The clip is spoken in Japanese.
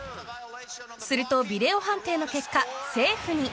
すると、ビデオ判定の結果セーフに。